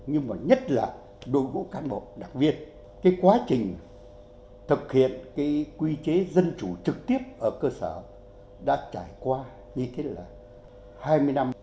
nhưng mà nhất là đội ngũ cán bộ đặc biệt cái quá trình thực hiện cái quy chế dân chủ trực tiếp ở cơ sở đã trải qua như thế là hai mươi năm